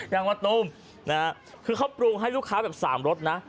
ยังมาตุ้มคือเขาปรุงให้ลูกค้าแบบ๓รสนะ